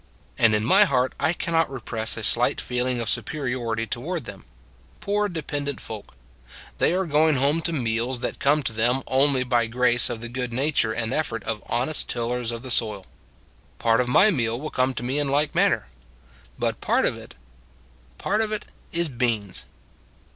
And in my heart I can not repress a slight feeling of superiority toward them poor dependent folk. They are going home to meals that come to them only by grace of the good nature and effort of honest tillers of the soil. Part of my meal will come to me in like manner. But part of it Part of it is beans.